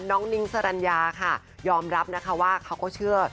น้องนิ้งสรรญาค่ะยอมรับนะคะว่าเขาก็เชื่อ